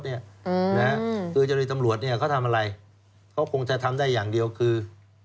คือเจ้าหน้าที่ตำรวจเนี่ยเขาทำอะไรเขาคงจะทำได้อย่างเดียวคือ